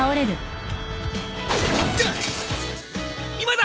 今だ！